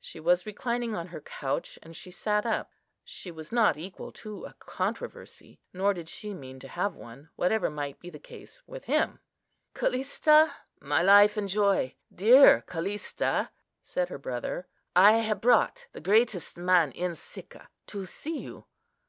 She was reclining on her couch, and she sat up. She was not equal to a controversy, nor did she mean to have one, whatever might be the case with him. "Callista, my life and joy, dear Callista," said her brother, "I have brought the greatest man in Sicca to see you."